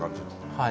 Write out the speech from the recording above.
はい。